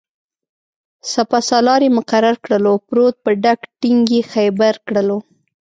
سپه سالار یې مقرر کړلو-پروت په ډکه ټینګ یې خیبر کړلو